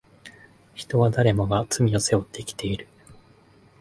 人は誰もが罪を背負って生きている